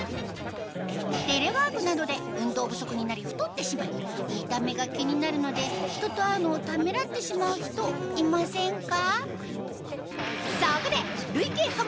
テレワークなどで運動不足になり太ってしまい見た目が気になるので人と会うのをためらってしまう人いませんか？